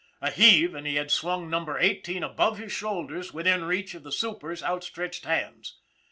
A heave, and he had swung Num ber Eighteen above his shoulders within reach of the super's outstretched hands.